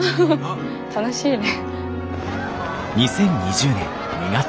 楽しいね。